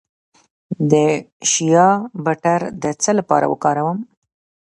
د شیا بټر د څه لپاره وکاروم؟